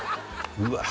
うわっ